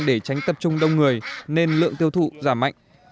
để tránh tập trung đông người nên lượng tiêu thụ giảm mạnh